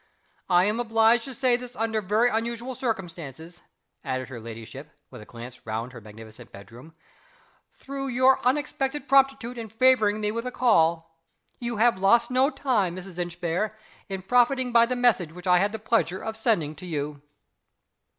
I am obliged to say this under very unusual circumstances," added her ladyship, with a glance round her magnificent bedroom, "through your unexpected promptitude in favoring me with a call. You have lost no time, Mrs. Inchbare, in profiting by the message which I had the pleasure of sending to you."